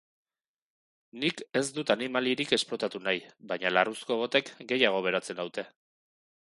Nik ez dut animalirik esplotatu nahi baina larruzko botek gehiago berotzen naute.